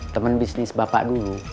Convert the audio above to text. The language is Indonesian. temen bisnis bapak dulu